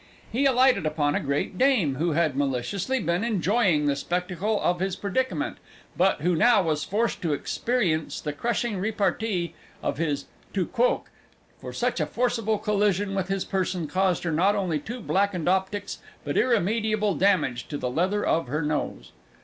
He alighted upon a great dame who had maliciously been enjoying the spectacle of his predicament, but who now was forced to experience the crushing repartee of his tu quoque, for such a forcible collision with his person caused her not only two blackened optics but irremediable damage to the leather of her nose.